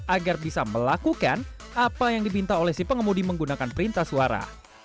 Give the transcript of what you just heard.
agar bisa melakukan apa yang dibinta oleh si pengemudi menggunakan perintah suara